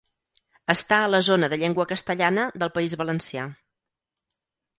Està a la zona de llengua castellana del País Valencià.